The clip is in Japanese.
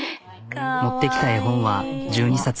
持ってきた絵本は１２冊。